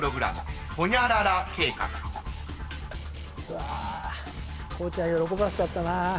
うわこうちゃん喜ばせちゃったな。